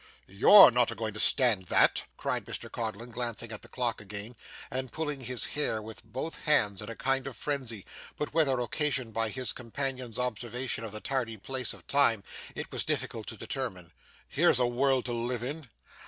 'YOU'RE not a going to stand that!' cried Mr Codlin, glancing at the clock again and pulling his hair with both hands in a kind of frenzy, but whether occasioned by his companion's observation or the tardy pace of Time, it was difficult to determine. 'Here's a world to live in!